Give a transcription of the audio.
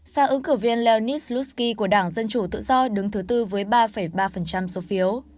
và ứng cử viên leonid slutsky của đảng dân chủ tự do đứng thứ tư với ba ba số phiếu